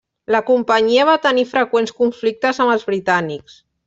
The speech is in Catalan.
La companyia va tenir freqüents conflictes amb els britànics.